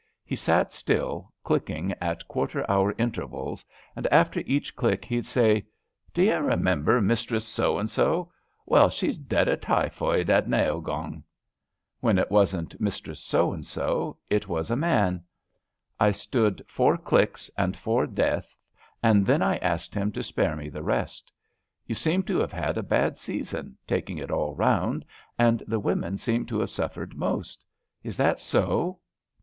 He sat still, clicking at quarter hour intervals, and after each click he'd say: *^ D'ye remember Mistress So an' Sol Well, she's dead o' typhoid at Naogong." When it wasn't Mistress So an' So " it was a man. I stood four clicks and four deaths, and then I asked him to spare me the rest. You seem to have had a bad season, taking it all round, and the women seem to have suffered most Is that so?